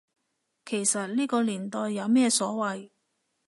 其實呢個年代有咩所謂